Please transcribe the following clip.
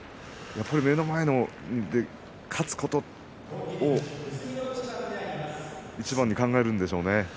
目の前の勝つことをいちばんに考えるんでしょうね。